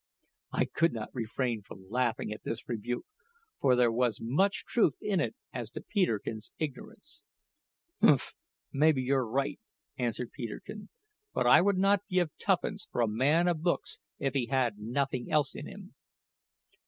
I could not refrain from laughing at this rebuke, for there was much truth in it as to Peterkin's ignorance. "Humph! maybe you're right," answered Peterkin; "but I would not give tuppence for a man of books if he had nothing else in him."